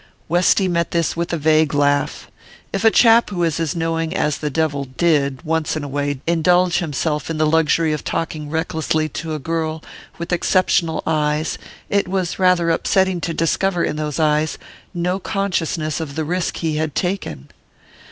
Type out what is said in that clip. Westy met this with a vague laugh. If a chap who was as knowing as the devil did, once in a way, indulge himself in the luxury of talking recklessly to a girl with exceptional eyes, it was rather upsetting to discover in those eyes no consciousness of the risk he had taken!